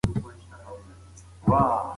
که موږ متحد واوسو نو خپل کلتور او ژبه ژوندی ساتو.